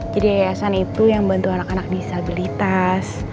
jadi yayasan itu yang bantu anak anak disabilitas